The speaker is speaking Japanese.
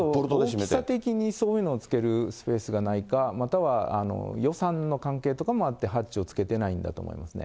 大きさ的にそういうのを付けるスペースがないか、または予算の関係とかもあって、ハッチをつけてないんだと思いますね。